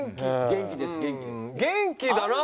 元気だな。